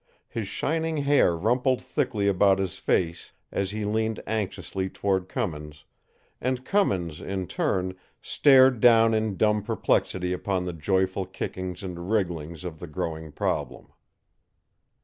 His shining hair rumpled thickly about his face as he leaned anxiously toward Cummins; and Cummins, in turn, stared down in dumb perplexity upon the joyful kickings and wrigglings of the growing problem.